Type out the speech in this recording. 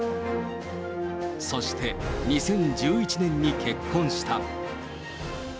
そして２０１１年に結婚した。